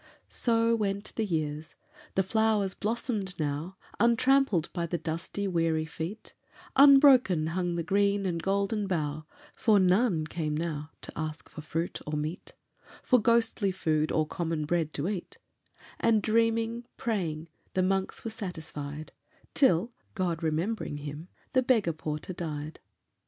So went the years. The flowers blossomed now Untrampled by the dusty, weary feet; Unbroken hung the green and golden bough, For none came now to ask for fruit or meat, For ghostly food, or common bread to eat; And dreaming, praying, the monks were satisfied, Till, God remembering him, the beggar porter died.